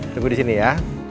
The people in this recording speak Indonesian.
tunggu di sini ya